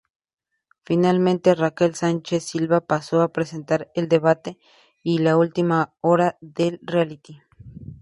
Finalmente, Raquel Sánchez-Silva pasó a presentar el debate y el última hora del reality.